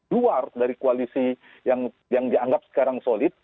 luar dari koalisi yang dianggap sekarang solid